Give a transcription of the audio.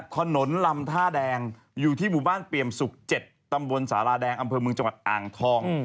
ถนนลำท่าแดงอยู่ที่หมู่บ้านเปี่ยมศุกร์๗ตำบลสาราแดงอำเภอเมืองจังหวัดอ่างทอง